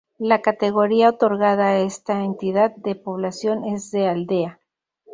La Categoría otorgada a esta entidad de población es de Aldea.